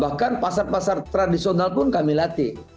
bahkan pasar pasar tradisional pun kami latih